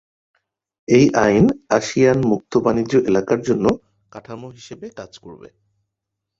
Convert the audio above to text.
এই আইন আসিয়ান মুক্ত বাণিজ্য এলাকা জন্য কাঠামো হিসেবে কাজ করবে।